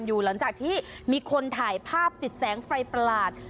หลังจากที่มีคนถ่ายภาพติดแสงไฟประหลาด